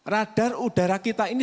radar udara kita ini